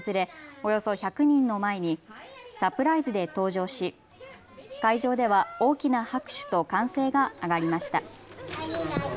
およそ１００人の前にサプライズで登場し、会場では大きな拍手と歓声が上がりました。